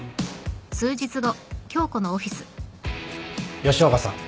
吉岡さん